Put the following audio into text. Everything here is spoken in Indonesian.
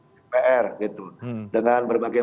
dpr gitu dengan berbagai